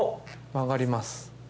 曲がります。